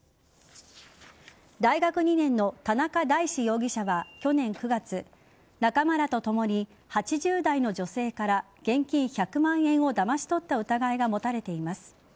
大学２年の田中大志容疑者は去年９月仲間らとともに８０代の女性から現金１００万円をだまし取った疑いが持たれています。